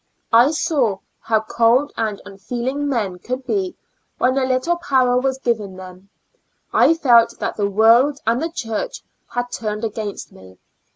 I saw how cold and unfeeling men could be when a little power was given them ; I felt that the world and the church had turned against me.